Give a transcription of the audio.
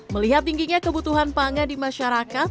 melihat tingginya kebutuhan pangan di masyarakat